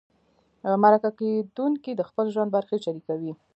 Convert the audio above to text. مرکه کېدونکی د خپل ژوند برخې شریکوي.